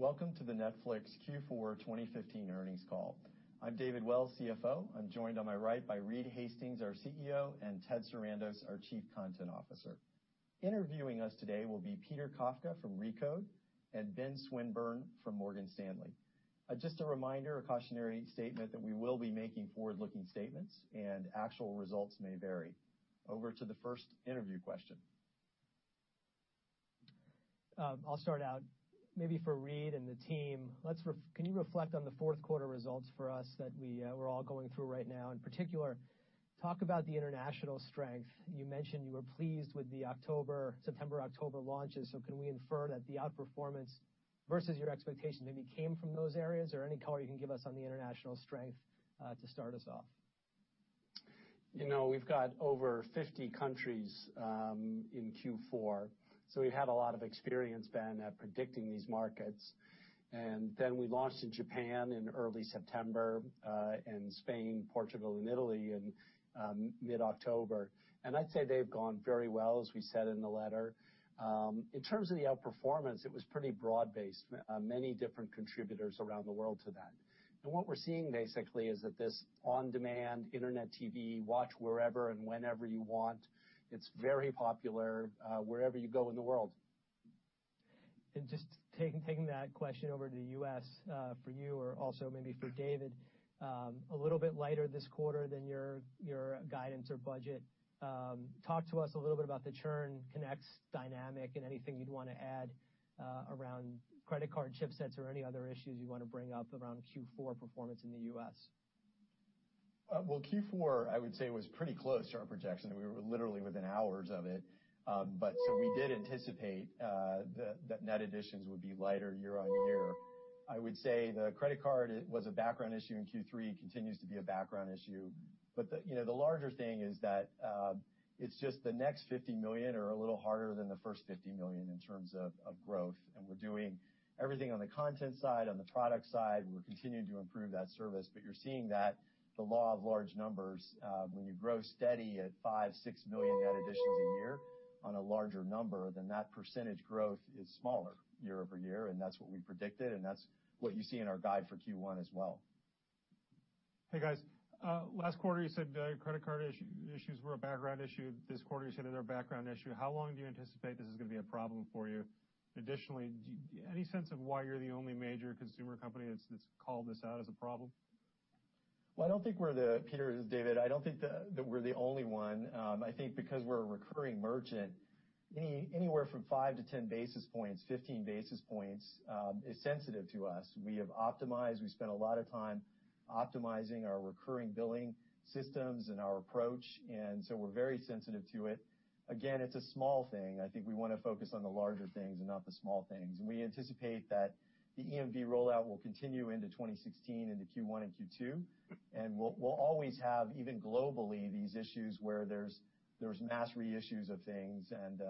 Welcome to the Netflix Q4 2015 earnings call. I'm David Wells, CFO. I'm joined on my right by Reed Hastings, our CEO, and Ted Sarandos, our Chief Content Officer. Interviewing us today will be Peter Kafka from Recode and Benjamin Swinburne from Morgan Stanley. Just a reminder, a cautionary statement that we will be making forward-looking statements and actual results may vary. Over to the first interview question. I'll start out. Maybe for Reed and the team, can you reflect on the fourth quarter results for us that we're all going through right now? In particular, talk about the international strength. You mentioned you were pleased with the September/October launches. Can we infer that the outperformance versus your expectations maybe came from those areas? Any color you can give us on the international strength to start us off. We've got over 50 countries in Q4. We have a lot of experience, Ben, at predicting these markets. We launched in Japan in early September, and Spain, Portugal, and Italy in mid-October. I'd say they've gone very well, as we said in the letter. In terms of the outperformance, it was pretty broad-based. Many different contributors around the world to that. What we're seeing basically is that this on-demand internet TV, watch wherever and whenever you want, it's very popular wherever you go in the world. Just taking that question over to the U.S. for you or also maybe for David. A little bit lighter this quarter than your guidance or budget. Talk to us a little bit about the churn, connects dynamic, and anything you'd want to add around credit card chip sets or any other issues you want to bring up around Q4 performance in the U.S. Q4, I would say, was pretty close to our projection. We were literally within hours of it. We did anticipate that net additions would be lighter year-on-year. I would say the credit card was a background issue in Q3, continues to be a background issue. The larger thing is that it's just the next 50 million are a little harder than the first 50 million in terms of growth, and we're doing everything on the content side, on the product side. We're continuing to improve that service. You're seeing that the law of large numbers, when you grow steady at 5, 6 million net additions a year on a larger number, then that percentage growth is smaller year-over-year, and that's what we predicted, and that's what you see in our guide for Q1 as well. Hey, guys. Last quarter, you said credit card issues were a background issue. This quarter, you said they're a background issue. How long do you anticipate this is going to be a problem for you? Additionally, any sense of why you're the only major consumer company that's called this out as a problem? Peter, this is David. I don't think that we're the only one. I think because we're a recurring merchant, anywhere from 5-10 basis points, 15 basis points is sensitive to us. We have optimized. We've spent a lot of time optimizing our recurring billing systems and our approach, so we're very sensitive to it. Again, it's a small thing. I think we want to focus on the larger things and not the small things. We anticipate that the EMV rollout will continue into 2016 into Q1 and Q2. We'll always have, even globally, these issues where there's mass reissues of things and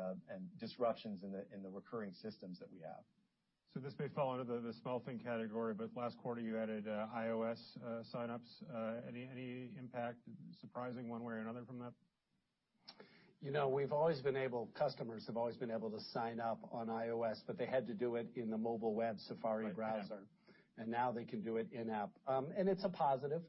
disruptions in the recurring systems that we have. This may fall under the small thing category, last quarter you added iOS sign-ups. Any impact surprising one way or another from that? Customers have always been able to sign up on iOS. They had to do it in the mobile web Safari browser. Right. Yeah. Now they can do it in-app. It's a positive.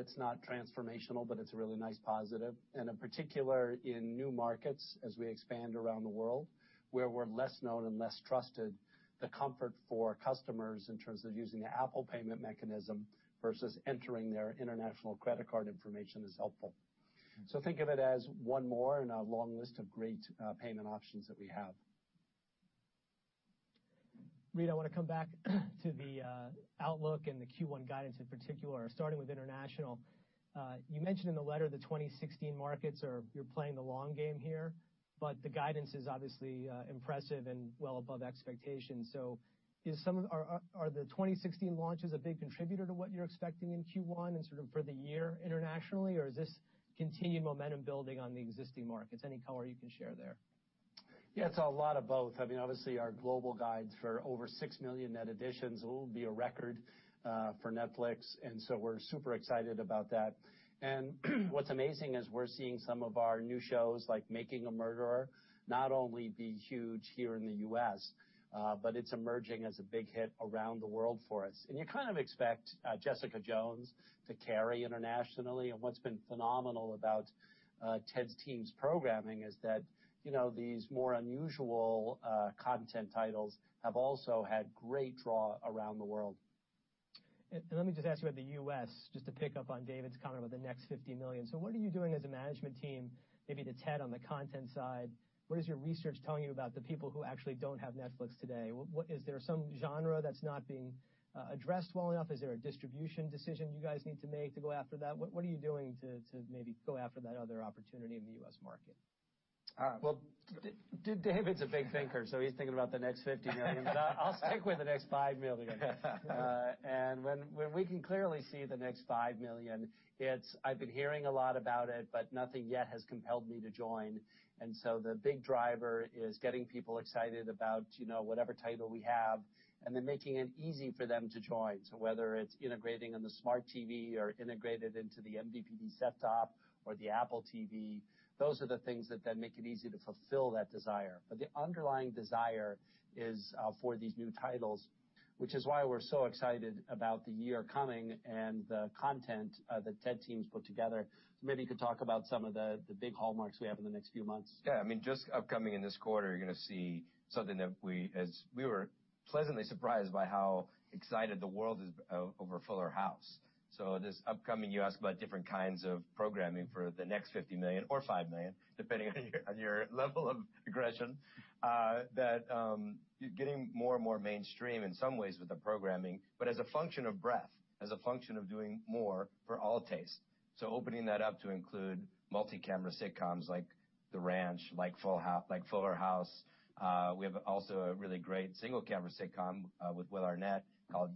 It's not transformational, it's a really nice positive. In particular, in new markets, as we expand around the world, where we're less known and less trusted, the comfort for customers in terms of using the Apple payment mechanism versus entering their international credit card information is helpful. Think of it as one more in a long list of great payment options that we have. Reed, I want to come back to the outlook and the Q1 guidance in particular, starting with international. You mentioned in the letter the 2016 markets, you're playing the long game here, the guidance is obviously impressive and well above expectations. Are the 2016 launches a big contributor to what you're expecting in Q1 and sort of for the year internationally, or is this continued momentum building on the existing markets? Any color you can share there? It's a lot of both. Obviously, our global guides for over 6 million net additions will be a record for Netflix. We're super excited about that. What's amazing is we're seeing some of our new shows like "Making a Murderer" not only be huge here in the U.S., but it's emerging as a big hit around the world for us. You kind of expect "Jessica Jones" to carry internationally. What's been phenomenal about Ted's team's programming is that these more unusual content titles have also had great draw around the world. Let me just ask you about the U.S., just to pick up on David's comment about the next 50 million. What are you doing as a management team? Maybe to Ted on the content side. What is your research telling you about the people who actually don't have Netflix today? Is there some genre that's not being addressed well enough? Is there a distribution decision you guys need to make to go after that? What are you doing to maybe go after that other opportunity in the U.S. market? Well, David's a big thinker, so he's thinking about the next 50 million. I'll stick with the next 5 million. When we can clearly see the next 5 million, I've been hearing a lot about it, but nothing yet has compelled me to join. The big driver is getting people excited about whatever title we have and then making it easy for them to join. Whether it's integrating on the smart TV or integrated into the MVPD set-top The Apple TV. Those are the things that make it easy to fulfill that desire. The underlying desire is for these new titles, which is why we're so excited about the year coming and the content that Ted's team's put together. Maybe you could talk about some of the big hallmarks we have in the next few months. Upcoming in this quarter, you're going to see something that we were pleasantly surprised by how excited the world is over "Fuller House." This upcoming, you asked about different kinds of programming for the next 50 million or five million, depending on your level of aggression. You're getting more and more mainstream in some ways with the programming, but as a function of breadth, as a function of doing more for all tastes. Opening that up to include multi-camera sitcoms like "The Ranch," like "Fuller House." We have also a really great single-camera sitcom with Will Arnett called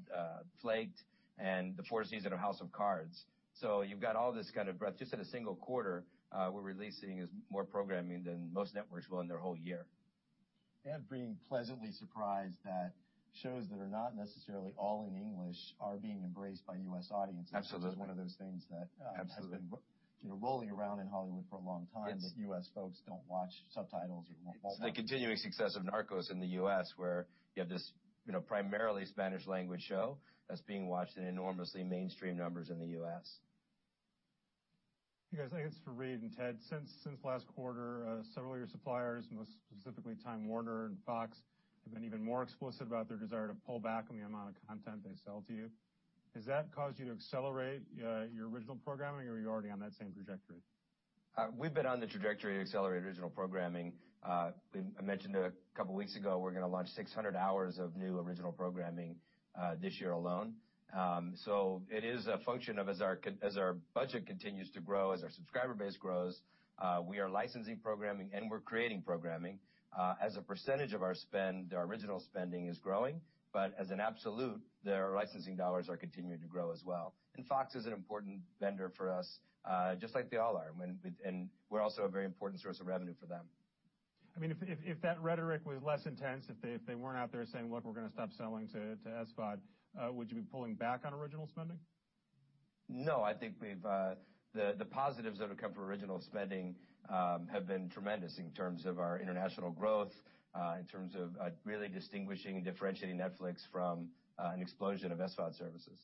"Flaked," and the fourth season of "House of Cards." You've got all this kind of breadth just in a single quarter. We're releasing more programming than most networks will in their whole year. Being pleasantly surprised that shows that are not necessarily all in English are being embraced by U.S. audiences. Absolutely. Which is one of those things that Absolutely has been rolling around in Hollywood for a long time, that U.S. folks don't watch subtitles or won't The continuing success of "Narcos" in the U.S. where you have this primarily Spanish language show that's being watched in enormously mainstream numbers in the U.S. You guys, I think it's for Reed and Ted. Since last quarter, several of your suppliers, most specifically Time Warner and Fox, have been even more explicit about their desire to pull back on the amount of content they sell to you. Has that caused you to accelerate your original programming, or are you already on that same trajectory? We've been on the trajectory to accelerate original programming. I mentioned a couple of weeks ago, we're going to launch 600 hours of new original programming this year alone. It is a function of as our budget continues to grow, as our subscriber base grows, we are licensing programming and we're creating programming. As a percentage of our spend, the original spending is growing, but as an absolute, their licensing dollars are continuing to grow as well. Fox is an important vendor for us, just like they all are. We're also a very important source of revenue for them. If that rhetoric was less intense, if they weren't out there saying, "Look, we're going to stop selling to SVOD," would you be pulling back on original spending? No, I think the positives that have come from original spending have been tremendous in terms of our international growth, in terms of really distinguishing and differentiating Netflix from an explosion of SVOD services.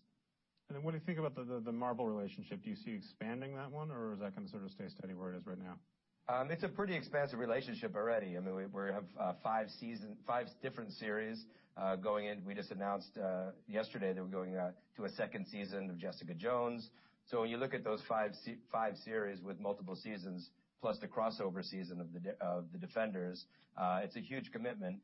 What do you think about the Marvel relationship? Do you see expanding that one, or is that going to stay steady where it is right now? It's a pretty expansive relationship already. We have five different series going in. We just announced yesterday that we're going to a second season of "Jessica Jones." When you look at those five series with multiple seasons, plus the crossover season of "The Defenders," it's a huge commitment.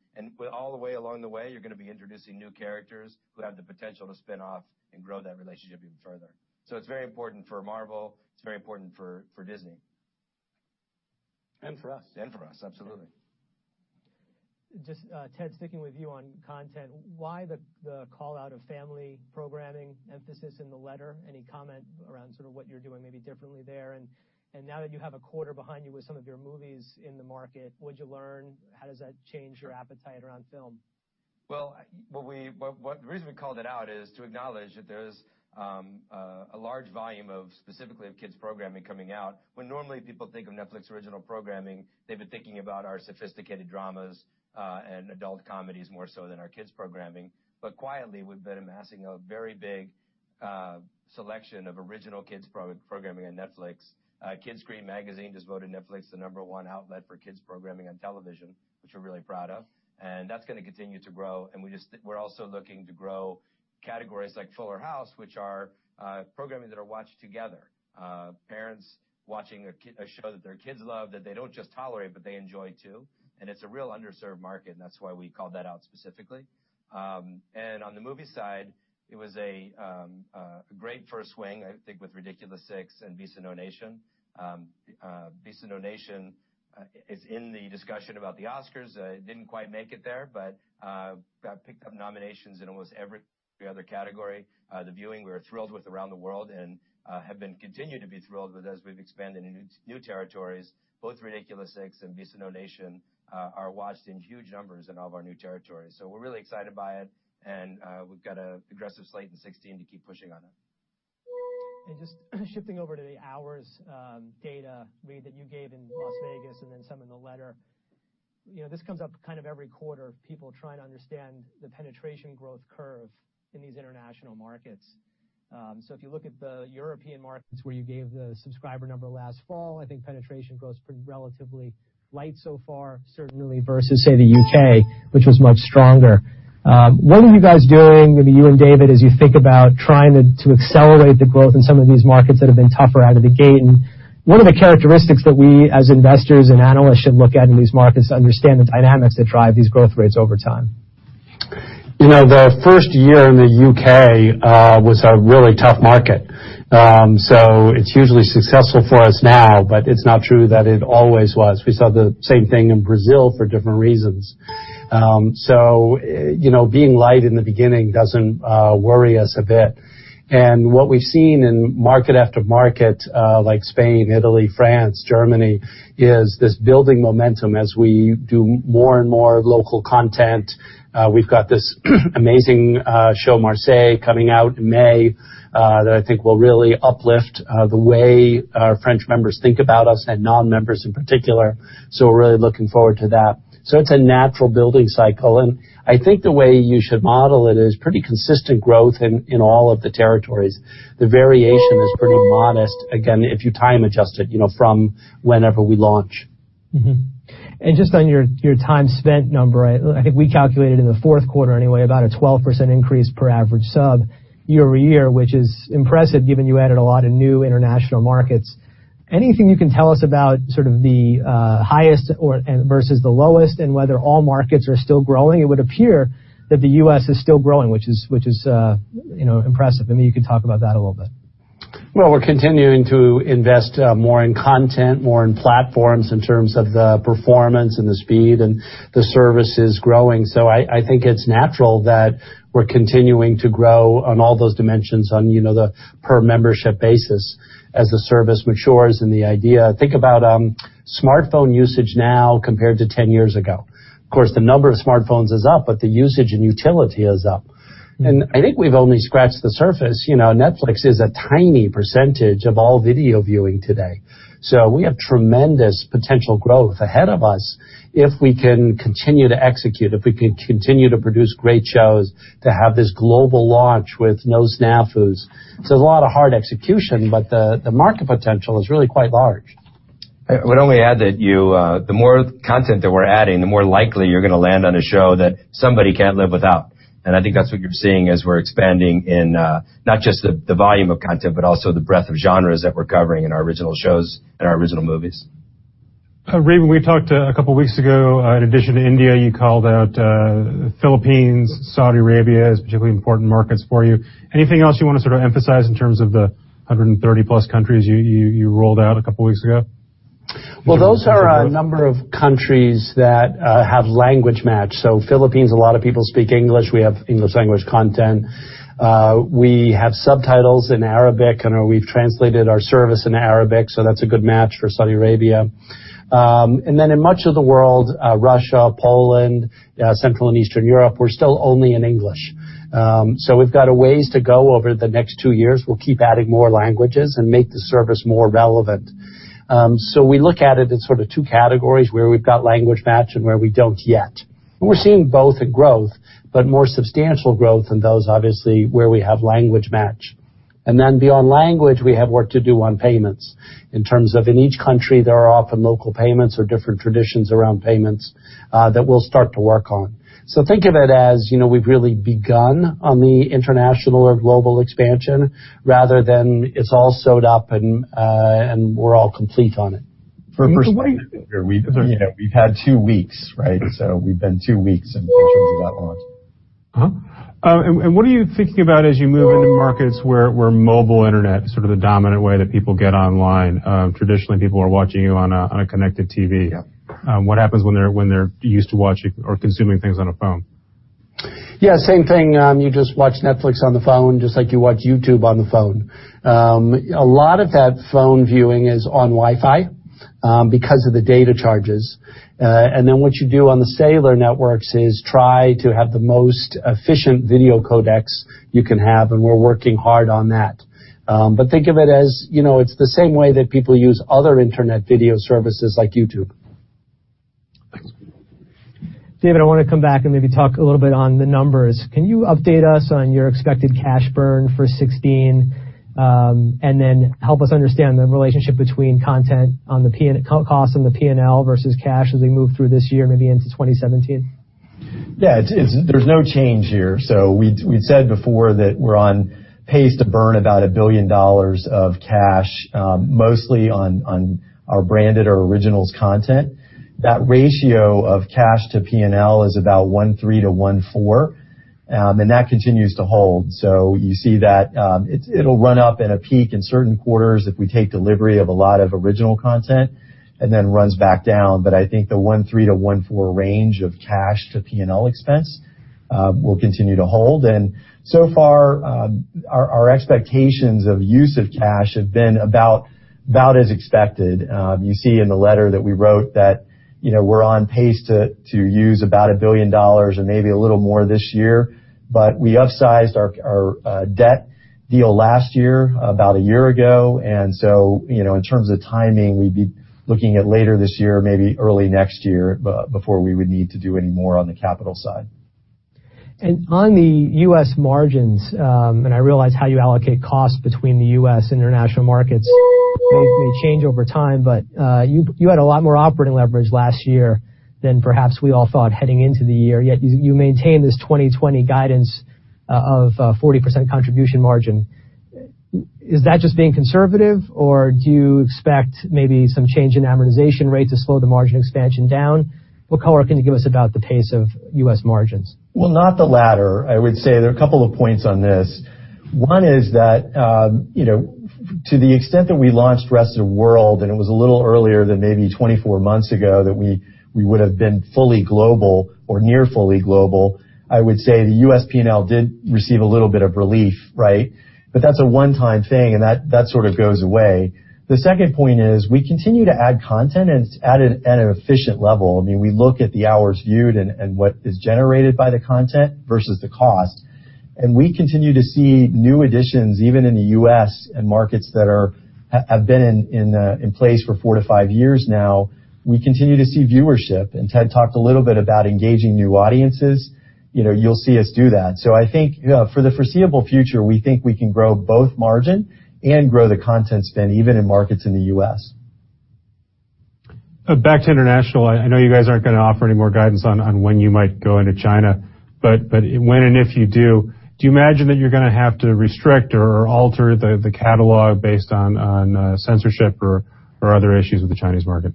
All the way along the way, you're going to be introducing new characters who have the potential to spin off and grow that relationship even further. It's very important for Marvel, it's very important for Disney. For us. For us, absolutely. Just, Ted, sticking with you on content, why the call out of family programming emphasis in the letter? Any comment around what you're doing maybe differently there? Now that you have a quarter behind you with some of your movies in the market, what'd you learn? How does that change your appetite around film? Well, the reason we called it out is to acknowledge that there's a large volume specifically of kids programming coming out. When normally people think of Netflix original programming, they've been thinking about our sophisticated dramas and adult comedies more so than our kids programming. Quietly, we've been amassing a very big selection of original kids programming on Netflix. Kidscreen Magazine just voted Netflix the number 1 outlet for kids programming on television, which we're really proud of, that's going to continue to grow. We're also looking to grow categories like "Fuller House," which are programming that are watched together. Parents watching a show that their kids love, that they don't just tolerate, but they enjoy, too, and it's a real underserved market, and that's why we called that out specifically. On the movie side, it was a great first swing, I think, with "Ridiculous 6" and "Beasts of No Nation." "Beasts of No Nation" is in the discussion about the Oscars. It didn't quite make it there, picked up nominations in almost every other category. The viewing we were thrilled with around the world and have been continued to be thrilled with as we've expanded into new territories. Both "Ridiculous 6" and "Beasts of No Nation" are watched in huge numbers in all of our new territories. We're really excited by it, and we've got an aggressive slate in 2016 to keep pushing on it. Just shifting over to the hours data, Reed, that you gave in Las Vegas and then some in the letter. This comes up every quarter of people trying to understand the penetration growth curve in these international markets. If you look at the European markets where you gave the subscriber number last fall, I think penetration growth's pretty relatively light so far, certainly versus, say, the U.K., which was much stronger. What are you guys doing, maybe you and David, as you think about trying to accelerate the growth in some of these markets that have been tougher out of the gate? What are the characteristics that we, as investors and analysts, should look at in these markets to understand the dynamics that drive these growth rates over time? The first year in the U.K. was a really tough market. It's hugely successful for us now, but it's not true that it always was. We saw the same thing in Brazil for different reasons. Being light in the beginning doesn't worry us a bit. What we've seen in market after market, like Spain, Italy, France, Germany, is this building momentum as we do more and more local content. We've got this amazing show, "Marseille," coming out in May, that I think will really uplift the way our French members think about us, and non-members in particular. We're really looking forward to that. It's a natural building cycle, and I think the way you should model it is pretty consistent growth in all of the territories. The variation is pretty modest, again, if you time-adjust it from whenever we launch. Just on your time spent number, I think we calculated in the fourth quarter anyway, about a 12% increase per average sub year-over-year, which is impressive given you added a lot of new international markets. Anything you can tell us about the highest or versus the lowest, and whether all markets are still growing? It would appear that the U.S. is still growing, which is impressive. Maybe you could talk about that a little bit. Well, we're continuing to invest more in content, more in platforms in terms of the performance and the speed, the service is growing. I think it's natural that we're continuing to grow on all those dimensions on the per-membership basis as the service matures. The idea. Think about smartphone usage now compared to 10 years ago. Of course, the number of smartphones is up, the usage and utility is up. I think we've only scratched the surface. Netflix is a tiny percentage of all video viewing today. We have tremendous potential growth ahead of us if we can continue to execute, if we can continue to produce great shows, to have this global launch with no snafus. It's a lot of hard execution, the market potential is really quite large. I would only add that the more content that we're adding, the more likely you're going to land on a show that somebody can't live without. I think that's what you're seeing as we're expanding in not just the volume of content, but also the breadth of genres that we're covering in our original shows and our original movies. Reed, when we talked a couple of weeks ago, in addition to India, you called out Philippines, Saudi Arabia, as particularly important markets for you. Anything else you want to emphasize in terms of the 130-plus countries you rolled out a couple of weeks ago? Well, those are a number of countries that have language match. Philippines, a lot of people speak English. We have English language content. We have subtitles in Arabic, we've translated our service into Arabic, that's a good match for Saudi Arabia. In much of the world, Russia, Poland, Central and Eastern Europe, we're still only in English. We've got a ways to go over the next two years. We'll keep adding more languages and make the service more relevant. We look at it in two categories, where we've got language match and where we don't yet. We're seeing both a growth, more substantial growth in those, obviously, where we have language match. Beyond language, we have work to do on payments in terms of in each country, there are often local payments or different traditions around payments that we'll start to work on. Think of it as we've really begun on the international or global expansion rather than it's all sewed up and we're all complete on it. We've had two weeks, right? We've been two weeks in terms of that launch. What are you thinking about as you move into markets where mobile internet is the dominant way that people get online? Traditionally, people are watching you on a connected TV. Yep. What happens when they're used to watching or consuming things on a phone? Yeah, same thing. You just watch Netflix on the phone, just like you watch YouTube on the phone. A lot of that phone viewing is on Wi-Fi because of the data charges. What you do on the cellular networks is try to have the most efficient video codecs you can have, and we're working hard on that. Think of it as it's the same way that people use other internet video services like YouTube. David, I want to come back and maybe talk a little bit on the numbers. Can you update us on your expected cash burn for 2016? Help us understand the relationship between content cost on the P&L versus cash as we move through this year, maybe into 2017. Yeah. There's no change here. We'd said before that we're on pace to burn about $1 billion of cash, mostly on our branded or originals content. That ratio of cash to P&L is about 1.3 to 1.4, and that continues to hold. You see that it'll run up at a peak in certain quarters if we take delivery of a lot of original content, and then runs back down. I think the 1.3 to 1.4 range of cash to P&L expense will continue to hold. So far, our expectations of use of cash have been about as expected. You see in the letter that we wrote that we're on pace to use about $1 billion or maybe a little more this year. We upsized our debt deal last year, about a year ago. In terms of timing, we'd be looking at later this year, maybe early next year, before we would need to do any more on the capital side. On the U.S. margins, I realize how you allocate costs between the U.S. and international markets may change over time. You had a lot more operating leverage last year than perhaps we all thought heading into the year, yet you maintain this 2020 guidance of a 40% contribution margin. Is that just being conservative, or do you expect maybe some change in amortization rate to slow the margin expansion down? What color can you give us about the pace of U.S. margins? Well, not the latter. I would say there are a couple of points on this. One is that to the extent that we launched Rest of the World, it was a little earlier than maybe 24 months ago that we would've been fully global or near fully global, I would say the U.S. P&L did receive a little bit of relief. That's a one-time thing, and that sort of goes away. The second point is we continue to add content, and it's at an efficient level. We look at the hours viewed and what is generated by the content versus the cost. We continue to see new additions, even in the U.S. and markets that have been in place for four to five years now. We continue to see viewership, and Ted talked a little bit about engaging new audiences. You'll see us do that. I think for the foreseeable future, we think we can grow both margin and grow the content spend, even in markets in the U.S. Back to international, I know you guys aren't going to offer any more guidance on when you might go into China. When and if you do you imagine that you're going to have to restrict or alter the catalog based on censorship or other issues with the Chinese market?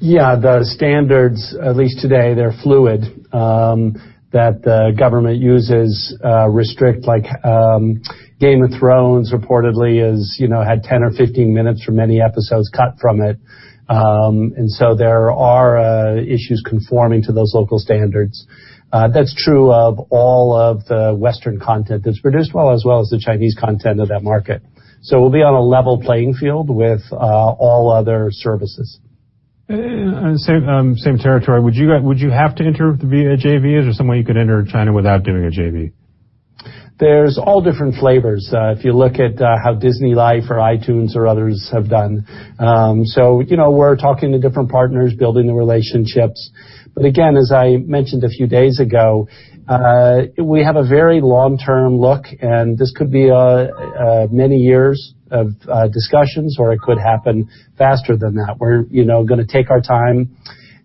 Yeah. The standards, at least today, they're fluid, that the government uses restrict, like "Game of Thrones" reportedly had 10 or 15 minutes for many episodes cut from it. There are issues conforming to those local standards. That's true of all of the Western content that's produced, as well as the Chinese content of that market. We'll be on a level playing field with all other services. In the same territory, would you have to enter via JV? Is there some way you could enter China without doing a JV? There's all different flavors. If you look at how DisneyLife or iTunes or others have done. We're talking to different partners, building the relationships. Again, as I mentioned a few days ago, we have a very long-term look, and this could be many years of discussions, or it could happen faster than that. We're going to take our time.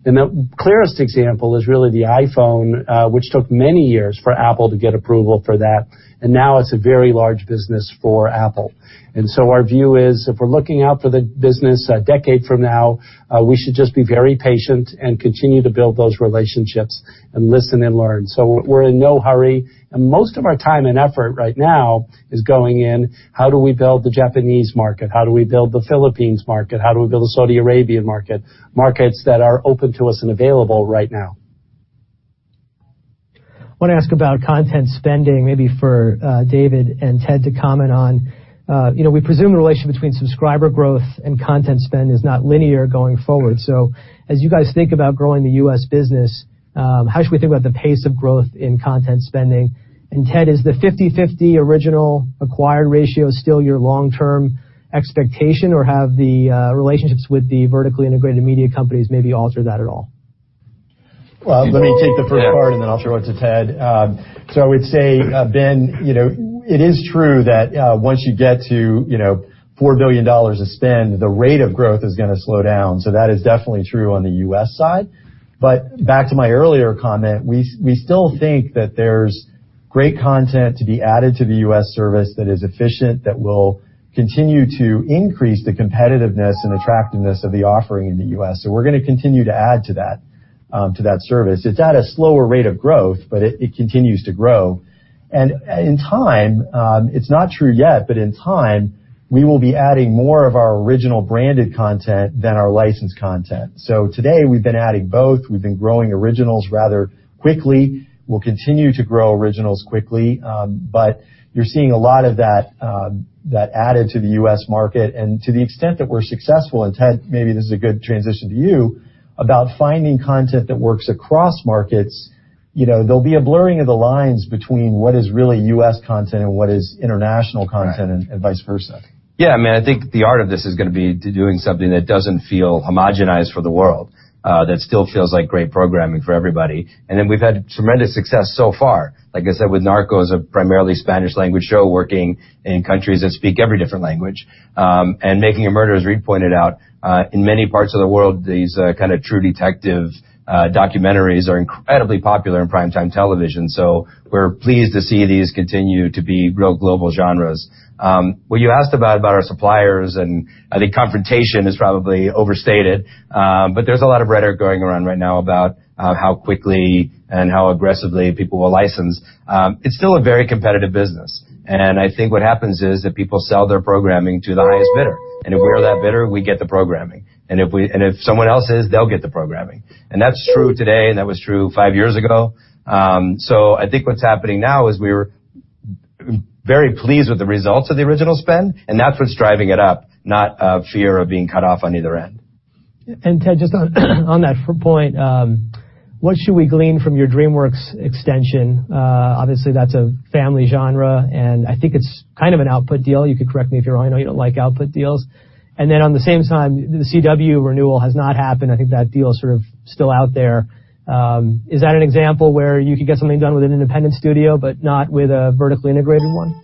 The clearest example is really the iPhone, which took many years for Apple to get approval for that, and now it's a very large business for Apple. Our view is, if we're looking out for the business a decade from now, we should just be very patient and continue to build those relationships and listen and learn. We're in no hurry, and most of our time and effort right now is going in how do we build the Japanese market? How do we build the Philippines market? How do we build the Saudi Arabian market? Markets that are open to us and available right now. I want to ask about content spending, maybe for David and Ted to comment on. We presume the relationship between subscriber growth and content spend is not linear going forward. As you guys think about growing the U.S. business, how should we think about the pace of growth in content spending? Ted, is the 50/50 original acquire ratio still your long-term expectation, or have the relationships with the vertically integrated media companies maybe altered that at all? Let me take the first part, and then I'll throw it to Ted. I would say, Ben, it is true that once you get to $4 billion of spend, the rate of growth is going to slow down. That is definitely true on the U.S. side. Back to my earlier comment, we still think that there's great content to be added to the U.S. service that is efficient, that will continue to increase the competitiveness and attractiveness of the offering in the U.S. We're going to continue to add to that service. It's at a slower rate of growth, but it continues to grow. In time, it's not true yet, but in time, we will be adding more of our original branded content than our licensed content. Today, we've been adding both. We've been growing originals rather quickly. We'll continue to grow originals quickly. But you're seeing a lot of that added to the U.S. market. To the extent that we're successful, Ted, maybe this is a good transition to you, about finding content that works across markets. There'll be a blurring of the lines between what is really U.S. content and what is international content and vice versa. I think the art of this is going to be doing something that doesn't feel homogenized for the world, that still feels like great programming for everybody. We've had tremendous success so far. Like I said, with "Narcos," a primarily Spanish language show working in countries that speak every different language. "Making a Murderer," as Reed pointed out, in many parts of the world, these kind of true detective documentaries are incredibly popular in primetime television. We're pleased to see these continue to be real global genres. What you asked about our suppliers, and I think confrontation is probably overstated, but there's a lot of rhetoric going around right now about how quickly and how aggressively people will license. It's still a very competitive business. I think what happens is that people sell their programming to the highest bidder. If we're that bidder, we get the programming. If someone else is, they'll get the programming. That's true today, and that was true five years ago. I think what's happening now is we're very pleased with the results of the original spend, and that's what's driving it up, not fear of being cut off on either end. Ted, just on that point, what should we glean from your DreamWorks extension? Obviously, that's a family genre, and I think it's kind of an output deal. You could correct me if you're wrong. I know you don't like output deals. Then at the same time, The CW renewal has not happened. I think that deal is sort of still out there. Is that an example where you could get something done with an independent studio but not with a vertically integrated one?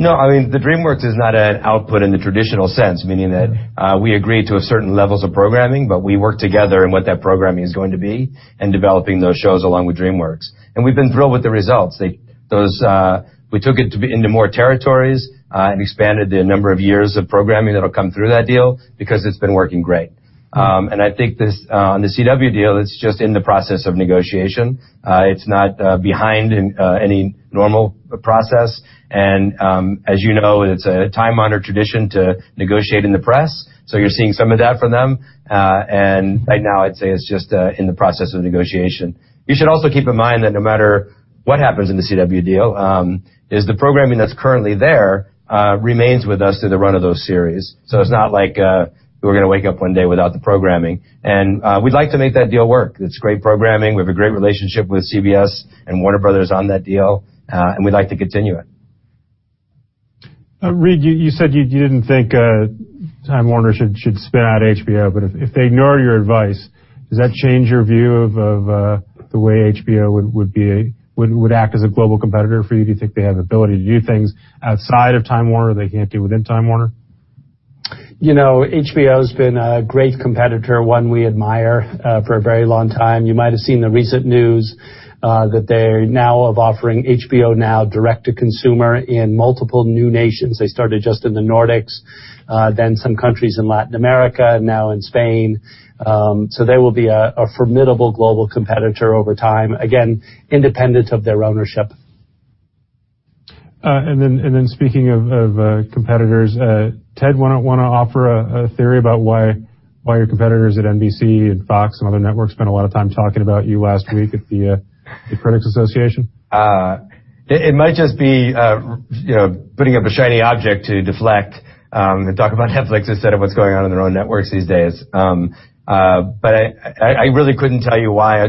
No. The DreamWorks is not an output in the traditional sense, meaning that we agree to certain levels of programming, but we work together in what that programming is going to be and developing those shows along with DreamWorks. We've been thrilled with the results. We took it into more territories and expanded the number of years of programming that'll come through that deal because it's been working great. I think on The CW deal, it's just in the process of negotiation. It's not behind any normal process. As you know, it's a time-honored tradition to negotiate in the press, so you're seeing some of that from them. Right now, I'd say it's just in the process of negotiation. You should also keep in mind that no matter what happens in The CW deal, is the programming that's currently there remains with us through the run of those series. So it's not like we're going to wake up one day without the programming. We'd like to make that deal work. It's great programming. We have a great relationship with CBS and Warner Bros. on that deal, we'd like to continue it. Reed, you said you didn't think Time Warner should spin out HBO, if they ignore your advice, does that change your view of the way HBO would act as a global competitor for you? Do you think they have the ability to do things outside of Time Warner they can't do within Time Warner? HBO's been a great competitor, one we admire for a very long time. You might have seen the recent news that they're now offering HBO Now direct to consumer in multiple new nations. They started just in the Nordics, then some countries in Latin America, now in Spain. They will be a formidable global competitor over time, again, independent of their ownership. Speaking of competitors, Ted, why not offer a theory about why your competitors at NBC and Fox and other networks spent a lot of time talking about you last week at the Critics Association? It might just be putting up a shiny object to deflect and talk about Netflix instead of what's going on in their own networks these days. I really couldn't tell you why.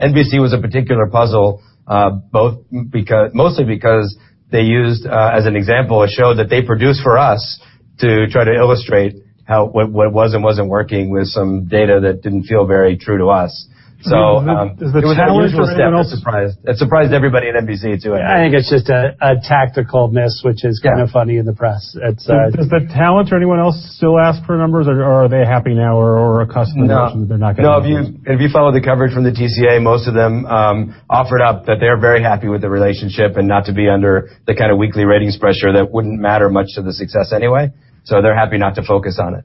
NBC was a particular puzzle, mostly because they used, as an example, a show that they produced for us to try to illustrate what was and wasn't working with some data that didn't feel very true to us. It was an unusual step that surprised everybody at NBC, too. I think it's just a tactical miss, which is kind of funny in the press. Does the talent or anyone else still ask for numbers, or are they happy now or accustomed to the notion that they're not going to have those? No. If you follow the coverage from the TCA, most of them offered up that they're very happy with the relationship and not to be under the kind of weekly ratings pressure that wouldn't matter much to the success anyway. They're happy not to focus on it.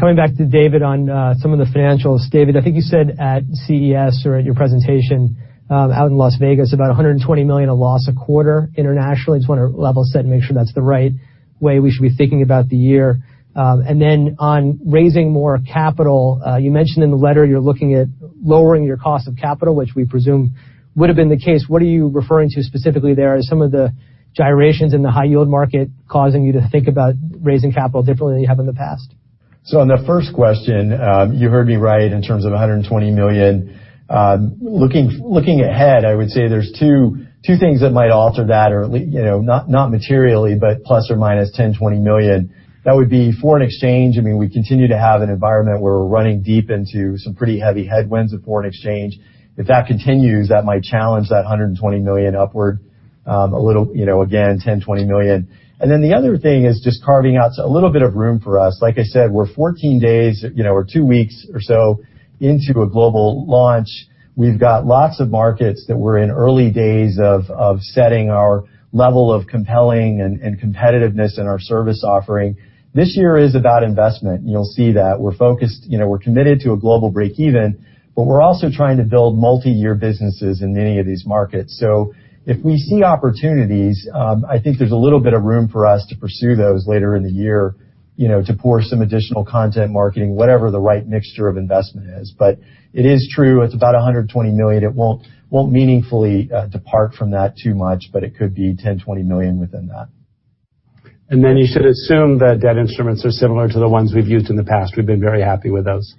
Coming back to David on some of the financials. David, I think you said at CES or at your presentation out in Las Vegas, about $120 million of loss a quarter internationally. I just want to level set and make sure that's the right way we should be thinking about the year. Then on raising more capital, you mentioned in the letter you're looking at lowering your cost of capital, which we presume would have been the case. What are you referring to specifically there? Are some of the gyrations in the high yield market causing you to think about raising capital differently than you have in the past? On the first question, you heard me right in terms of $120 million. Looking ahead, I would say there's two things that might alter that, not materially, but plus or minus $10 million-$20 million. That would be foreign exchange. We continue to have an environment where we're running deep into some pretty heavy headwinds of foreign exchange. If that continues, that might challenge that $120 million upward a little, again, $10 million-$20 million. The other thing is just carving out a little bit of room for us. Like I said, we're 14 days, or two weeks or so into a global launch. We've got lots of markets that we're in early days of setting our level of compelling and competitiveness in our service offering. This year is about investment. You'll see that. We're focused. We're committed to a global break even, we're also trying to build multi-year businesses in many of these markets. If we see opportunities, I think there's a little bit of room for us to pursue those later in the year, to pour some additional content marketing, whatever the right mixture of investment is. It is true, it's about $120 million. It won't meaningfully depart from that too much, but it could be $10 million-$20 million within that. You should assume the debt instruments are similar to the ones we've used in the past. We've been very happy with those.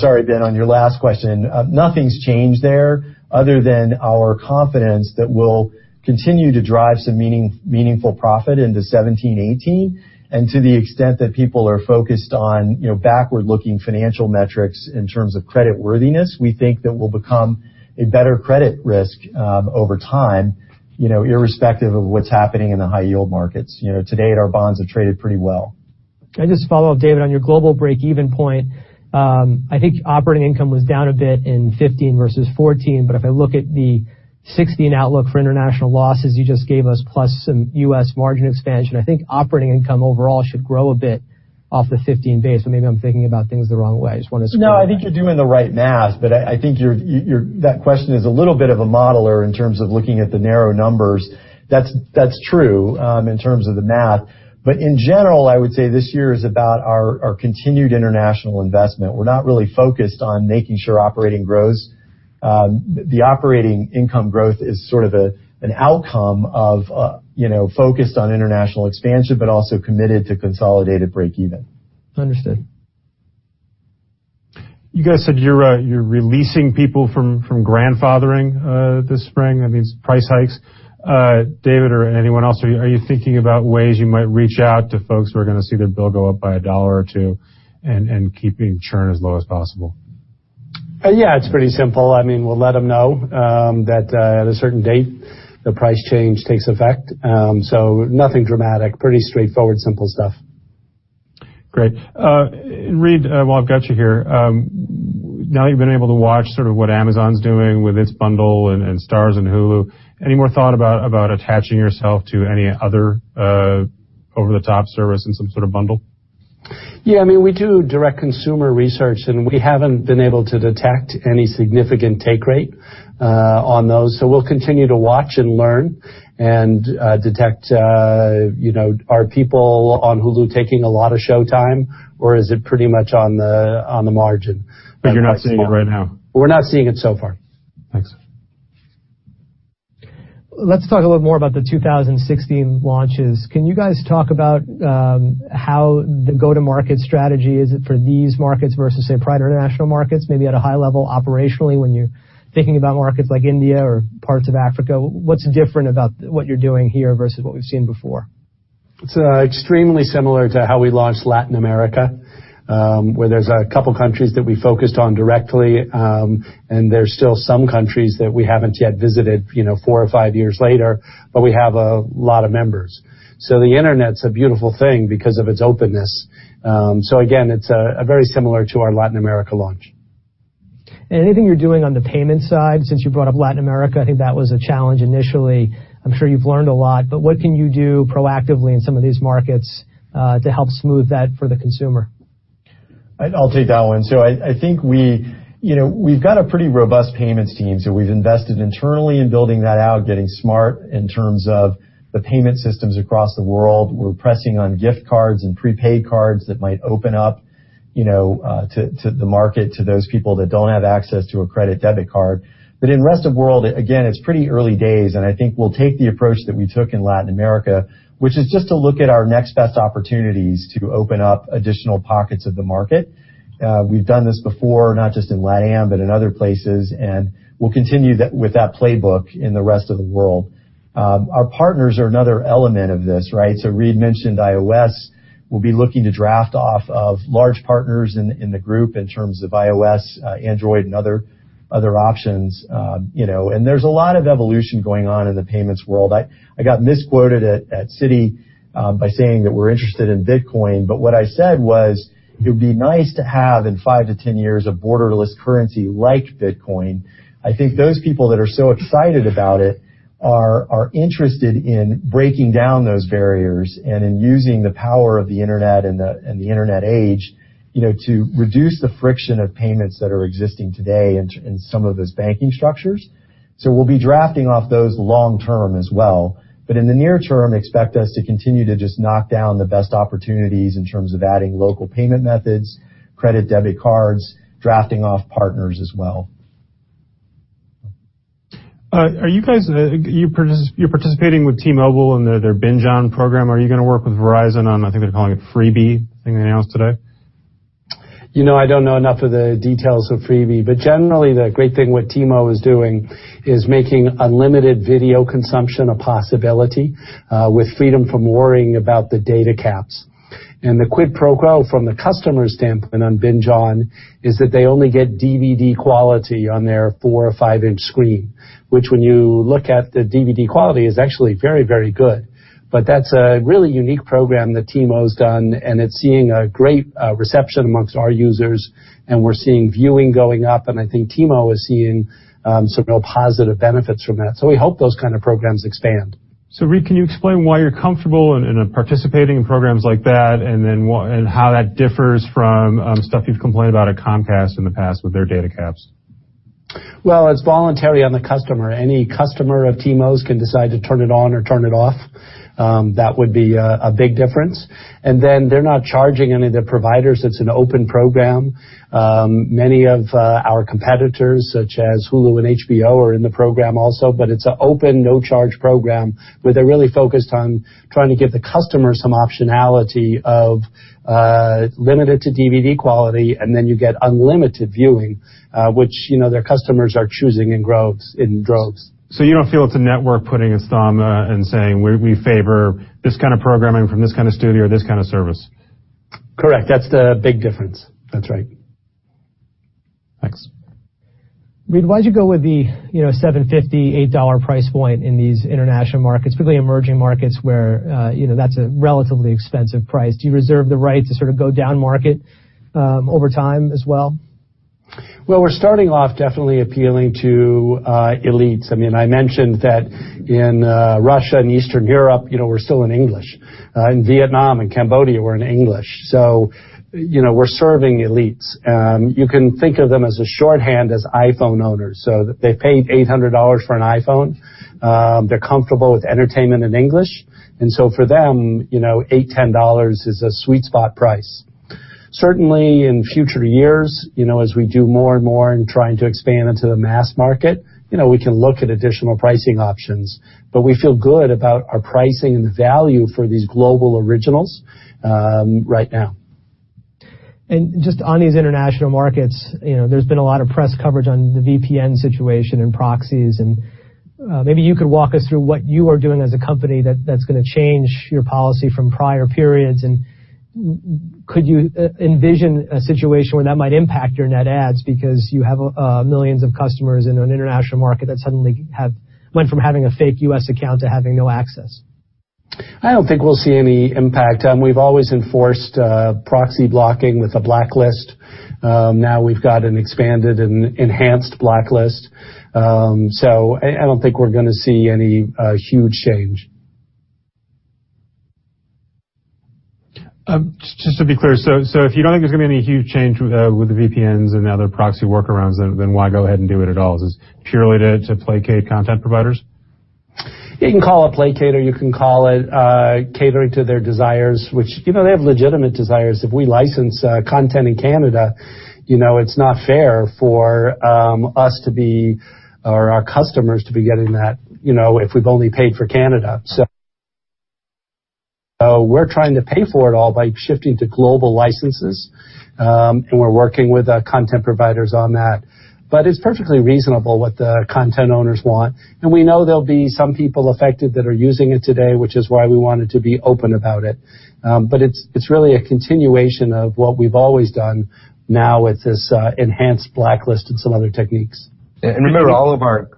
Sorry, Ben, on your last question. Nothing's changed there other than our confidence that we'll continue to drive some meaningful profit into 2017, 2018. To the extent that people are focused on backward-looking financial metrics in terms of credit worthiness, we think that we'll become a better credit risk over time, irrespective of what's happening in the high yield markets. Today, our bonds have traded pretty well. Can I just follow up, David, on your global break even point? I think operating income was down a bit in 2015 versus 2014. If I look at the 2016 outlook for international losses you just gave us, plus some U.S. margin expansion, I think operating income overall should grow a bit off the 2015 base, or maybe I'm thinking about things the wrong way. I just want to square that. I think you're doing the right math. I think that question is a little bit of a modeler in terms of looking at the narrow numbers. That's true in terms of the math. In general, I would say this year is about our continued international investment. We're not really focused on making sure operating grows. The operating income growth is sort of an outcome of focus on international expansion, but also committed to consolidated break even. Understood. You guys said you're releasing people from grandfathering this spring. That means price hikes. David or anyone else, are you thinking about ways you might reach out to folks who are going to see their bill go up by a dollar or two and keeping churn as low as possible? Yeah, it's pretty simple. We'll let them know that at a certain date, the price change takes effect. Nothing dramatic. Pretty straightforward, simple stuff. Great. Reed, while I've got you here. Now you've been able to watch sort of what Amazon's doing with its bundle and Starz and Hulu. Any more thought about attaching yourself to any other over-the-top service in some sort of bundle? Yeah. We do direct consumer research, we haven't been able to detect any significant take rate on those. We'll continue to watch and learn and detect are people on Hulu taking a lot of Showtime, or is it pretty much on the margin? You're not seeing it right now? We're not seeing it so far. Thanks. Let's talk a little more about the 2016 launches. Can you guys talk about how the go-to-market strategy is for these markets versus, say, prior international markets? Maybe at a high level operationally, when you're thinking about markets like India or parts of Africa, what's different about what you're doing here versus what we've seen before? It's extremely similar to how we launched Latin America, where there's a couple of countries that we focused on directly, and there's still some countries that we haven't yet visited four or five years later, but we have a lot of members. The internet's a beautiful thing because of its openness. Again, it's very similar to our Latin America launch. Anything you're doing on the payment side? Since you brought up Latin America, I think that was a challenge initially. I'm sure you've learned a lot, but what can you do proactively in some of these markets to help smooth that for the consumer? I'll take that one. I think we've got a pretty robust payments team. We've invested internally in building that out, getting smart in terms of the payment systems across the world. We're pressing on gift cards and prepaid cards that might open up to the market to those people that don't have access to a credit debit card. In the rest of world, again, it's pretty early days, and I think we'll take the approach that we took in Latin America, which is just to look at our next best opportunities to open up additional pockets of the market. We've done this before, not just in LATAM, but in other places, and we'll continue with that playbook in the rest of the world. Our partners are another element of this. Reed mentioned iOS. We'll be looking to draft off of large partners in the group in terms of iOS, Android, and other options. There's a lot of evolution going on in the payments world. I got misquoted at Citi by saying that we're interested in Bitcoin, but what I said was it would be nice to have, in five to 10 years, a borderless currency like Bitcoin. I think those people that are so excited about it are interested in breaking down those barriers and in using the power of the internet and the internet age to reduce the friction of payments that are existing today in some of those banking structures. We'll be drafting off those long-term as well. In the near term, expect us to continue to just knock down the best opportunities in terms of adding local payment methods, credit, debit cards, drafting off partners as well. You're participating with T-Mobile and their Binge On program. Are you going to work with Verizon on, I think they're calling it FreeBee, thing they announced today? I don't know enough of the details of FreeBee, generally, the great thing what T-Mobile is doing is making unlimited video consumption a possibility with freedom from worrying about the data caps. The quid pro quo from the customer standpoint on Binge On is that they only get DVD quality on their four or five-inch screen, which when you look at the DVD quality, is actually very good. That's a really unique program that T-Mobile's done, and it's seeing a great reception amongst our users, and we're seeing viewing going up, and I think T-Mobile is seeing some real positive benefits from that. We hope those kind of programs expand. Reed, can you explain why you're comfortable in participating in programs like that, and how that differs from stuff you've complained about at Comcast in the past with their data caps? Well, it's voluntary on the customer. Any customer of T-Mobile's can decide to turn it on or turn it off. That would be a big difference. Then they're not charging any of the providers. It's an open program. Many of our competitors, such as Hulu and HBO, are in the program also, it's an open, no-charge program where they're really focused on trying to give the customer some optionality of limited to DVD quality, and then you get unlimited viewing, which their customers are choosing in droves. You don't feel it's a network putting its thumb and saying, "We favor this kind of programming from this kind of studio or this kind of service? Correct. That's the big difference. That's right. Thanks. Reed, why'd you go with the $7.50, $8 price point in these international markets, particularly emerging markets where that's a relatively expensive price? Do you reserve the right to sort of go down market over time as well? Well, we're starting off definitely appealing to elites. I mentioned that in Russia and Eastern Europe, we're still in English. In Vietnam and Cambodia, we're in English. We're serving elites. You can think of them as a shorthand as iPhone owners. They paid $800 for an iPhone. They're comfortable with entertainment in English. For them, $8, $10 is a sweet spot price. Certainly, in future years, as we do more and more in trying to expand into the mass market, we can look at additional pricing options. We feel good about our pricing and the value for these global originals right now. Just on these international markets, there's been a lot of press coverage on the VPN situation and proxies, maybe you could walk us through what you are doing as a company that's going to change your policy from prior periods. Could you envision a situation where that might impact your net adds because you have millions of customers in an international market that suddenly went from having a fake U.S. account to having no access? I don't think we'll see any impact. We've always enforced proxy blocking with a blacklist. Now we've got an expanded and enhanced blacklist. I don't think we're going to see any huge change. Just to be clear, if you don't think there's going to be any huge change with the VPNs and the other proxy workarounds, why go ahead and do it at all? Is this purely to placate content providers? You can call it placate or you can call it catering to their desires, which they have legitimate desires. If we license content in Canada, it's not fair for us or our customers to be getting that if we've only paid for Canada. We're trying to pay for it all by shifting to global licenses, and we're working with content providers on that. It's perfectly reasonable what the content owners want. We know there'll be some people affected that are using it today, which is why we wanted to be open about it. It's really a continuation of what we've always done now with this enhanced blacklist and some other techniques. Remember, all of our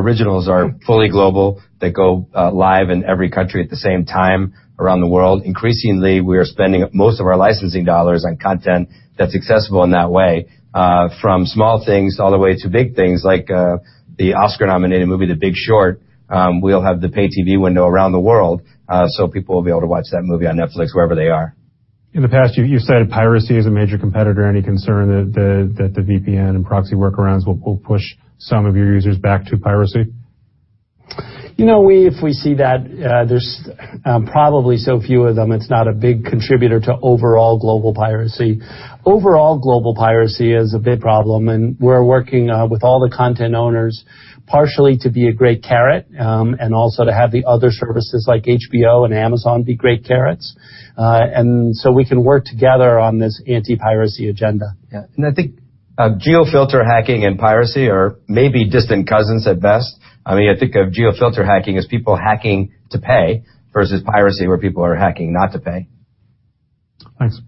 originals are fully global. They go live in every country at the same time around the world. Increasingly, we are spending most of our licensing dollars on content that's accessible in that way, from small things all the way to big things like the Oscar-nominated movie, The Big Short will have the pay TV window around the world, so people will be able to watch that movie on Netflix wherever they are. In the past, you've cited piracy as a major competitor. Any concern that the VPN and proxy workarounds will push some of your users back to piracy? If we see that, there's probably so few of them, it's not a big contributor to overall global piracy. Overall global piracy is a big problem, we're working with all the content owners partially to be a great carrot, also to have the other services like HBO and Amazon be great carrots, so we can work together on this anti-piracy agenda. Yeah. I think geo-filter hacking and piracy are maybe distant cousins at best. I think of geo-filter hacking as people hacking to pay versus piracy where people are hacking not to pay. Thanks.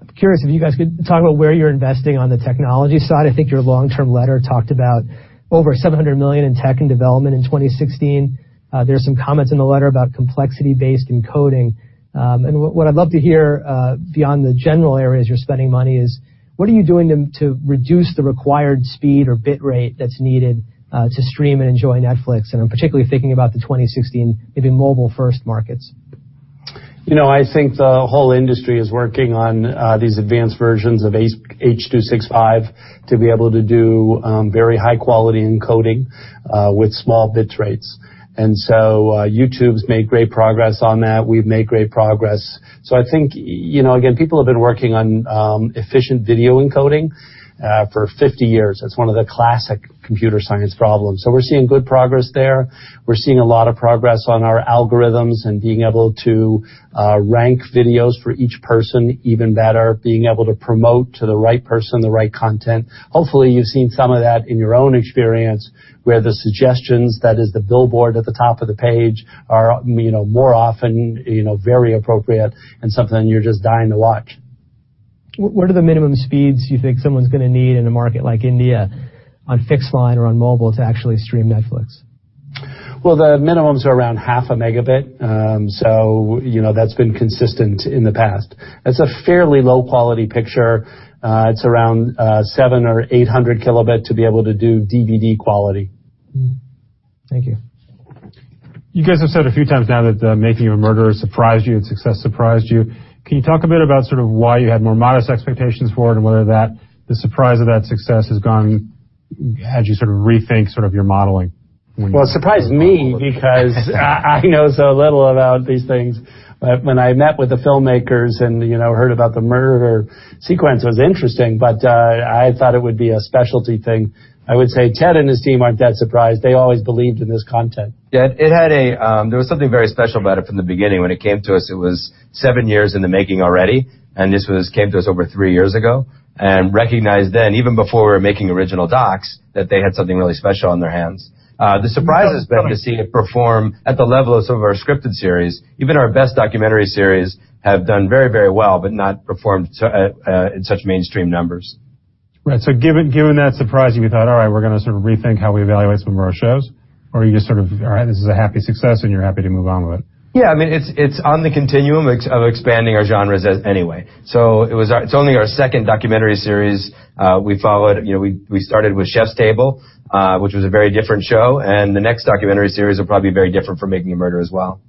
I'm curious if you guys could talk about where you're investing on the technology side. I think your long-term letter talked about over $700 million in tech and development in 2016. There's some comments in the letter about complexity-based encoding. What I'd love to hear, beyond the general areas you're spending money is, what are you doing to reduce the required speed or bit rate that's needed to stream and enjoy Netflix? I'm particularly thinking about the 2016, maybe mobile-first markets. I think the whole industry is working on these advanced versions of H.265 to be able to do very high-quality encoding with small bit rates. YouTube's made great progress on that. We've made great progress. I think, again, people have been working on efficient video encoding for 50 years. That's one of the classic computer science problems. We're seeing good progress there. We're seeing a lot of progress on our algorithms and being able to rank videos for each person even better, being able to promote to the right person the right content. Hopefully, you've seen some of that in your own experience, where the suggestions, that is the billboard at the top of the page, are more often very appropriate and something you're just dying to watch. What are the minimum speeds you think someone's going to need in a market like India on fixed line or on mobile to actually stream Netflix? Well, the minimums are around half a megabit. That's been consistent in the past. That's a fairly low-quality picture. It's around 700 Kb or 800 Kb to be able to do DVD quality. Thank you. You guys have said a few times now that "Making a Murderer" surprised you, its success surprised you. Can you talk a bit about why you had more modest expectations for it and whether the surprise of that success has had you rethink your modeling? Well, it surprised me because I know so little about these things. When I met with the filmmakers and heard about the murderer sequence, it was interesting, but I thought it would be a specialty thing. I would say Ted and his team aren't that surprised. They always believed in this content. Yeah. There was something very special about it from the beginning. When it came to us, it was seven years in the making already, and this came to us over three years ago and recognized then, even before we were making original docs, that they had something really special on their hands. The surprise has been to see it perform at the level of some of our scripted series. Even our best documentary series have done very well but not performed in such mainstream numbers. Given that surprise, have you thought, "All right, we're going to rethink how we evaluate some of our shows"? Or are you just sort of, "All right, this is a happy success," and you're happy to move on with it? Yeah. It's on the continuum of expanding our genres anyway. It's only our second documentary series. We started with "Chef's Table" which was a very different show, and the next documentary series will probably be very different from "Making a Murderer" as well.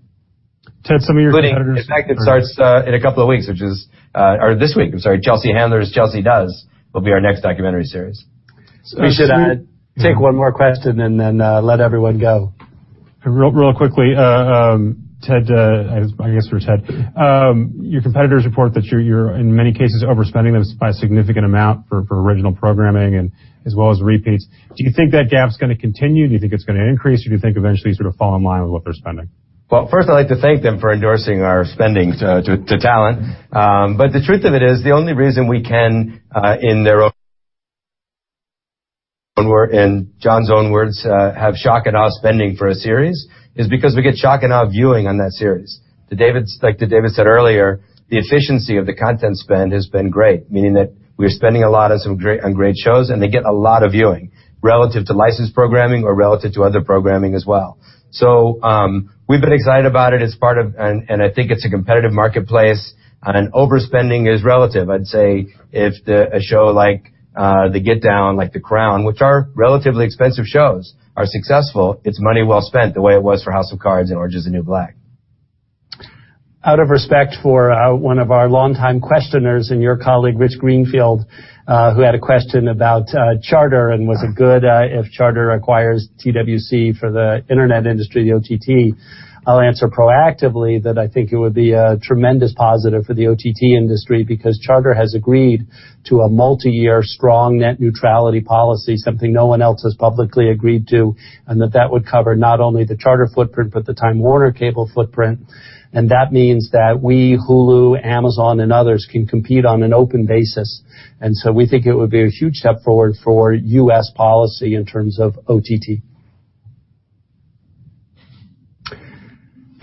Ted, some of your competitors- Including, in fact, it starts in a couple of weeks, or this week, I'm sorry, Chelsea Handler's "Chelsea Does" will be our next documentary series. We should take one more question and then let everyone go. Real quickly, Ted, I guess for Ted. Your competitors report that you're, in many cases, overspending them by a significant amount for original programming and as well as repeats. Do you think that gap's going to continue? Do you think it's going to increase, or do you think eventually you'll fall in line with what they're spending? First I'd like to thank them for endorsing our spending to talent. The truth of it is, the only reason we can, in John's own words, have shock and awe spending for a series is because we get shock and awe viewing on that series. Like David said earlier, the efficiency of the content spend has been great, meaning that we're spending a lot on some great shows, and they get a lot of viewing relative to licensed programming or relative to other programming as well. We've been excited about it, and I think it's a competitive marketplace, and overspending is relative. I'd say if a show like "The Get Down," like "The Crown," which are relatively expensive shows, are successful, it's money well spent, the way it was for "House of Cards" and "Orange Is the New Black. Out of respect for one of our longtime questioners and your colleague, Rich Greenfield, who had a question about Charter and was it good if Charter acquires TWC for the internet industry, the OTT, I'll answer proactively that I think it would be a tremendous positive for the OTT industry because Charter has agreed to a multi-year strong net neutrality policy, something no one else has publicly agreed to, and that would cover not only the Charter footprint but the Time Warner Cable footprint, and that means that we, Hulu, Amazon, and others can compete on an open basis. We think it would be a huge step forward for U.S. policy in terms of OTT.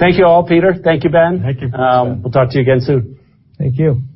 Thank you all. Peter, thank you, Ben. Thank you. We'll talk to you again soon. Thank you.